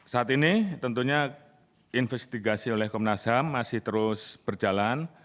saat ini tentunya investigasi oleh komnas ham masih terus berjalan